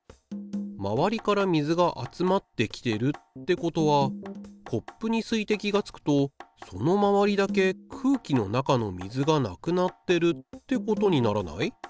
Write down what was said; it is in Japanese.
まわりから水が集まってきてるってことはコップに水滴がつくとそのまわりだけ空気の中の水がなくなってるってことにならない？